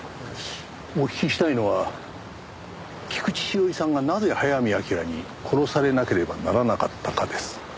お聞きしたいのは菊地詩織さんがなぜ早見明に殺されなければならなかったかです。